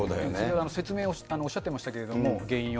説明をおっしゃってましたけれども、原因を。